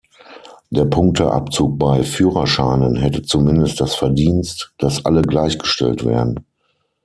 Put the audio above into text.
Der Punkteabzug bei Führerscheinen hätte zumindest das Verdienst, dass alle gleichgestellt werden.